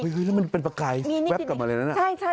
แล้วมันเป็นประกายแว๊บกลับมาเลยนั้น